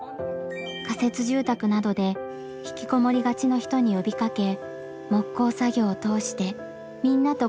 仮設住宅などで引きこもりがちの人に呼びかけ木工作業を通してみんなと交流してほしいと始めました。